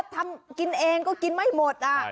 ทำกินเองก็กินไม่หมด